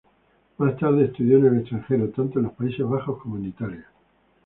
Más tarde, estudió en el extranjero, tanto en los Países Bajos como en Italia.